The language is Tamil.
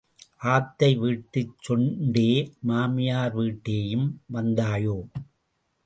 ஆத்தை வீட்டுச் சொண்டே, மாமியார் வீட்டேயும் வந்தாயோ.